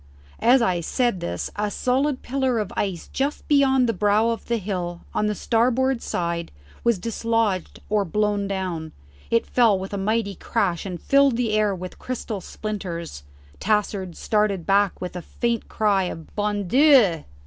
As I said this a solid pillar of ice just beyond the brow of the hill on the starboard side was dislodged or blown down; it fell with a mighty crash, and filled the air with crystal splinters. Tassard started back with a faint cry of "Bon Dieu!"